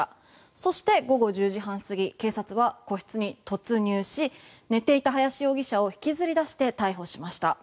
そして午後１０時半過ぎ警察が個室に突入し寝ていた林容疑者を引きずり出して逮捕しました。